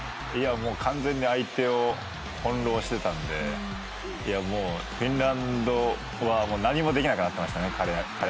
完全に相手を翻弄していたのでフィンランドフォワード何もできなくなっていましたね。